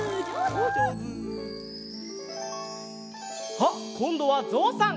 あっこんどはぞうさん。